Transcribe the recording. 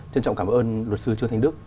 trân trọng cảm ơn luật sư trương thanh đức